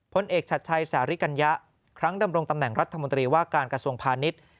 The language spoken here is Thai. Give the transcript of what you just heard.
เอกชัดชัยสาริกัญญะครั้งดำรงตำแหน่งรัฐมนตรีว่าการกระทรวงพาณิชย์